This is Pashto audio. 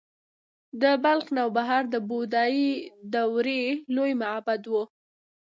د بلخ نوبهار د بودايي دورې لوی معبد و